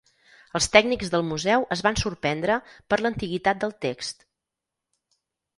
Els tècnics del Museu es van sorprendre per l'antiguitat del text.